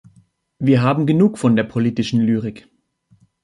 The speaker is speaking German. Wir haben genug von der politischen Lyrik.